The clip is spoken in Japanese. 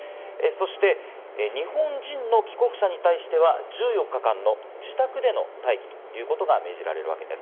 そして日本人の帰国者に対しては１４日間の自宅待機ということが命じられるわけです。